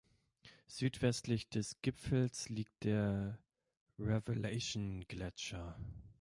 Südwestlich des Gipfels liegt der Revelation-Gletscher.